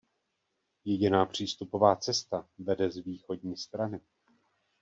Jediná přístupová cesta vede z východní strany.